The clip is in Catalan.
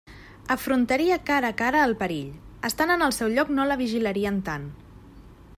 Afrontaria cara a cara el perill: estant en el seu lloc no la vigilarien tant.